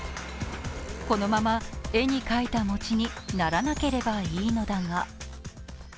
このまま絵に描いた餅にならなければいいのだが。